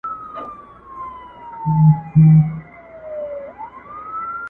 تا هم لوښی د روغن دی چپه کړی؟٫